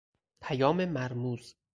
پیام مرموز